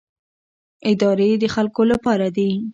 ادارې د خلکو لپاره دي